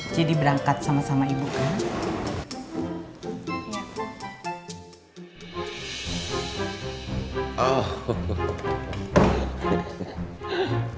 jadi berangkat sama sama ibu kan